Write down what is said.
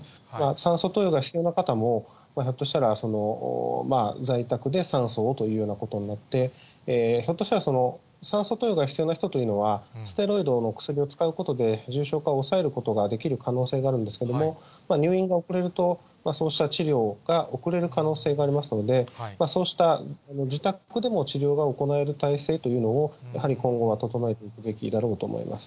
酸素投与が必要な方も、ひょっとしたら、在宅で酸素をというようなことになって、ひょっとしたら、酸素投与が必要な人というのは、ステロイドの薬を使うことで重症化を抑えることができる可能性があるんですけども、入院が遅れると、そうした治療が遅れる可能性がありますので、そうした自宅でも治療が行える体制というのを、やはり今後は整えていくべきだろうと思います。